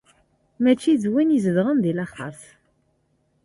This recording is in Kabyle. Mačči d wid izedɣen di laxert.